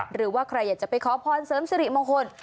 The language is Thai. หรือว่าใครอยากจะไปขอพรเสริมสิริมงคล